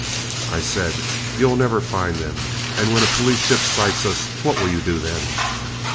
I said, "You'll never find them. And when a police ship sights us, what will you do then?"